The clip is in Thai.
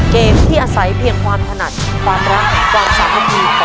เกมที่อาศัยเพียงความถนัดความรักความสามัคคี